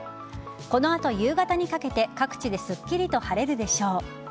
この後、夕方にかけて各地ですっきりと晴れるでしょう。